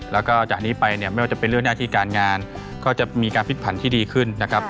แล้วก็จากนี้ไปเนี่ยไม่ว่าจะเป็นเรื่องหน้าที่การงานก็จะมีการพลิกผันที่ดีขึ้นนะครับ